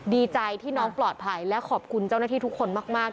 ดีใจที่น้องปลอดภัยและขอบคุณเจ้าหน้าที่ทุกคนมาก